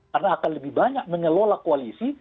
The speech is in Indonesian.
karena akan lebih banyak mengelola koalisi